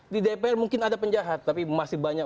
di dpr mungkin ada penjahat tapi masih banyak